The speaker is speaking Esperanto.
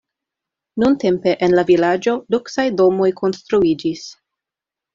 Nuntempe en la vilaĝo luksaj domoj konstruiĝis.